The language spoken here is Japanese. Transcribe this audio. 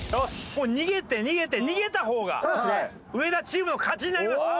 もう逃げて逃げて逃げた方が上田チームの勝ちになります。